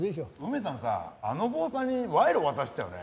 梅さんさあの坊さんに賄賂渡してたよね？